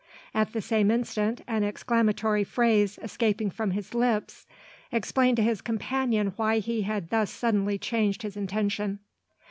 At the same instant an exclamatory phrase escaping from his lips explained to his companion why he had thus suddenly changed his intention.